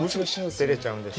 てれちゃうんです。